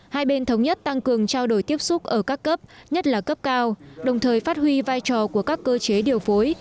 hai bên thống nhất tăng cường trao đổi tiếp xúc ở các cấp nhất là cấp cao đồng thời phát huy vai trò của các cơ chế điều phối